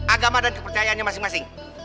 agama dan kepercayaannya masing masing